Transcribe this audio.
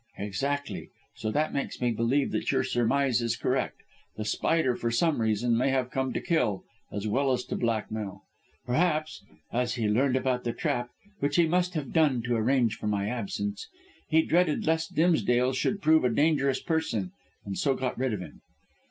"Exactly; so that makes me believe that your surmise is correct. The Spider, for some reason, may have come to kill, as well as to blackmail. Perhaps, as he learned about the trap which he must have done to arrange for my absence he dreaded lest Dimsdale should prove a dangerous person, and so got rid of him.